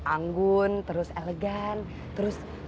anggun terus elegan terus cocok untuk ibu